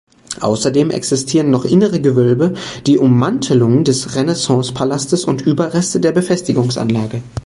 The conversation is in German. Außerdem existieren noch innere Gewölbe, die Ummantelung des Renaissance-Palastes und Überreste der Befestigungsanlage.